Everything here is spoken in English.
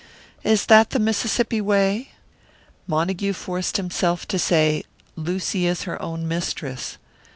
Is that the Mississippi way?" Montague forced himself to say, "Lucy is her own mistress."